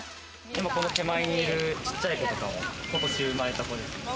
この手前にいる、ちっちゃいことかはことし生まれた子ですね。